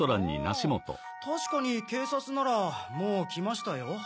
あぁ確かに警察ならもう来ましたよ。